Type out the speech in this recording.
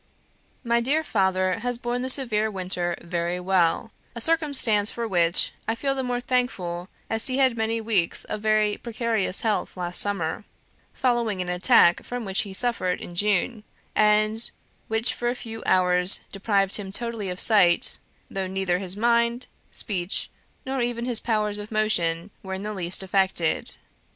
"My dear father has borne the severe winter very well, a circumstance for which I feel the more thankful as he had many weeks of very precarious health last summer, following an attack from which he suffered in June, and which for a few hours deprived him totally of sight, though neither his mind, speech, nor even his powers of motion were in the least affected.